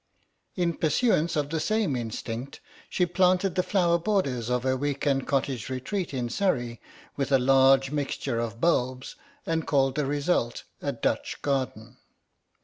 In pursuance of the same instinct she planted the flower borders at her week end cottage retreat in Surrey with a large mixture of bulbs, and called the result a Dutch garden.